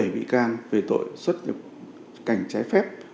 sáu mươi bảy bị can về tội xuất nhập cảnh trái phép